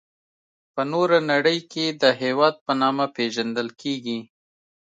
په نوره نړي کي د هیواد په نامه پيژندل کيږي.